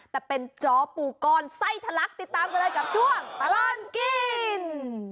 แต่เป็นจอปูกรไส้ทะลักติดตามกันเลยกับช่วงตลอดกิน